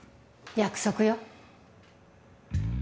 約束よ。